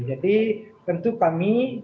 jadi tentu kalau